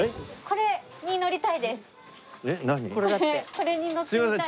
これに乗ってみたいです。